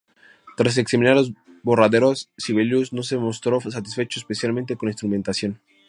Tras examinar los borradores, Sibelius no se mostró satisfecho, especialmente con la instrumentación.